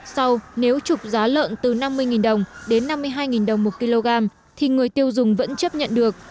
sau nếu trục giá lợn từ năm mươi đồng đến năm mươi hai đồng một kg thì người tiêu dùng vẫn chấp nhận được